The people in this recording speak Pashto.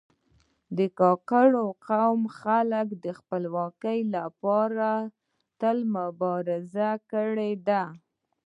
د کاکړ قوم خلک د خپلواکي لپاره تل مبارزه کړې ده.